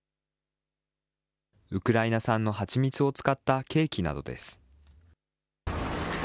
ウクライナ産のハチミツを使ったケーキなどです。